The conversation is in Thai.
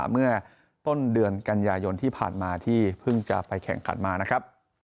เมื่อต้นเดือนกันยายนที่ผ่านมาที่เพิ่งจะไปแข่งขันมานะครับ